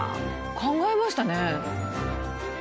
考えましたね。